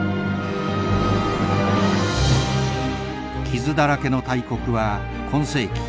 傷だらけの大国は今世紀